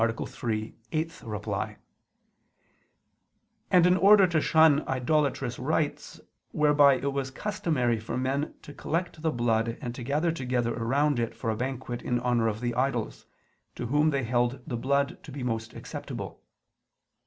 3, ad 8); and in order to shun idolatrous rites whereby it was customary for men to collect the blood and to gather together around it for a banquet in honor of the idols, to whom they held the blood to be most acceptable.